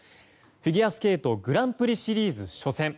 フィギュアスケートグランプリシリーズ初戦。